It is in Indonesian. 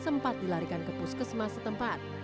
sampai kemudian diangkat ke rumah sakit